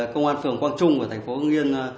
công an phường quang trung và thành phố hưng yên